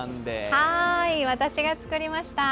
はーい、私が作りました。